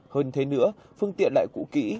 hơn thế nữa phương tiện lại cũ kỹ